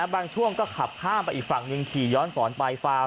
บางช่วงก็ขับข้ามไปอีกฝั่งหนึ่งขี่ย้อนสอนไป